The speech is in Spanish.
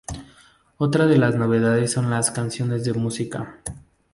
Otra de las novedades son las canciones de música.